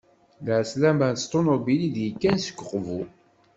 Lɛeslama s ṭunubil, i d-yekkan seg Uqbu.